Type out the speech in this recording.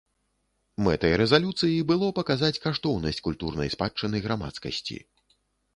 Мэтай рэзалюцыі было паказаць каштоўнасць культурнай спадчыны грамадскасці.